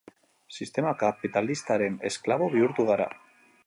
Sistema kapitalistaren esklabo bihurtu gara.